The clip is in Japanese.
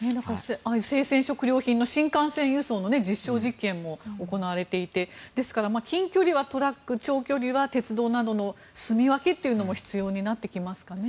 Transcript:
生鮮食料品の新幹線輸送の実証実験も行われていてですから、近距離はトラック長距離は鉄道などのすみ分けというのも必要になってきますかね。